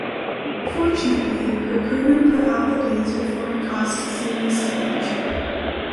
Fortunately, her crewmen put out the blaze before it caused serious damage.